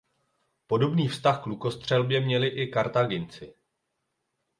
Podobný vztah k lukostřelbě měli i Kartáginci.